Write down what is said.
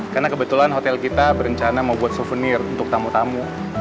karena kebetulan hotel kita berencana mau buat souvenir untuk tamu tamu